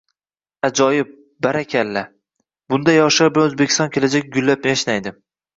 Ajoyib, Barakalla! Bunday boshlar bilan O'zbekiston kelajagi gullab -yashnaydi